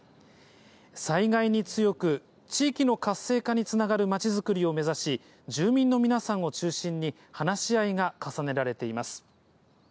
災害に強く、地域の活性化につながる街づくりを目指し、住民の皆さんを中心に話し合いが重ねられています。